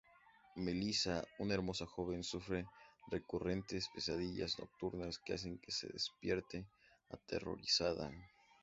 Melissa, una hermosa joven, sufre recurrentes pesadillas nocturnas que hacen que se despierte aterrorizada.